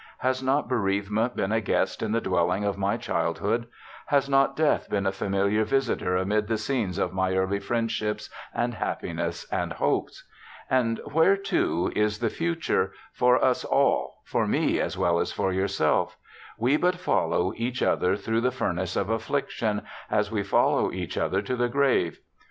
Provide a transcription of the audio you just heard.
Has not bereavement been a guest in the dwelling of my childhood ; has not death been a familiar visitor amid the scenes of my early friendships and happiness and hopes? And where, too, is the future— for us all — for me, as well as for yourself? We but follow each other through the furnace of affliction, as we follow each other to the grave.